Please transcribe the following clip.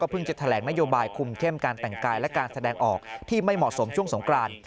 เพิ่งจะแถลงนโยบายคุมเข้มการแต่งกายและการแสดงออกที่ไม่เหมาะสมช่วงสงกราน